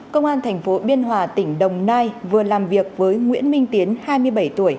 công an tp biên hòa tỉnh đồng nai vừa làm việc với nguyễn minh tiến hai mươi bảy tuổi